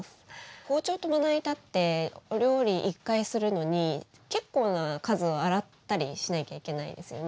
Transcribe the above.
包丁とまな板ってお料理１回するのに結構な数洗ったりしなきゃいけないですよね。